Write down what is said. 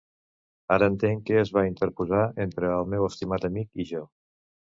Ara entenc què es va interposar entre el meu estimat amic i jo.